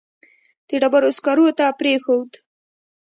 د ډبرو سکرو ته پرېښود.